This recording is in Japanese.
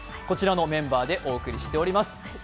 こちらのメンバーでお送りしております。